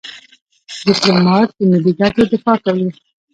ډيپلومات د ملي ګټو دفاع کوي.